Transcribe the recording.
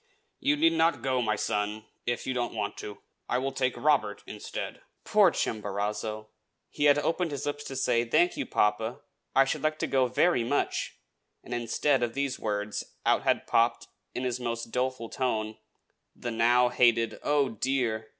"You need not go, my son, if you do not want to. I will take Robert instead." Poor Chimborazo! He had opened his lips to say, "Thank you, papa. I should like to go very much!" and, instead of these words, out had popped, in his most doleful tone, the now hated "Oh, dear!"